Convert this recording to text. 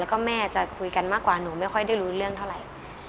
แล้วก็แม่จะคุยกันมากกว่าหนูไม่ค่อยได้รู้เรื่องเท่าไหร่